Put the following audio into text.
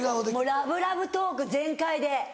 ラブラブトーク全開で。